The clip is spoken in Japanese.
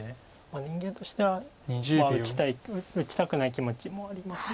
人間としては打ちたくない気持ちもあります。